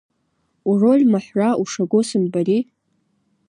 Уроль маҳәра ушаго сымбари!